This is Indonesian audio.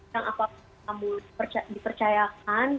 jangan apapun kamu dipercayakan